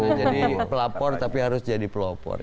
bukan jadi pelapor tapi harus jadi pelopor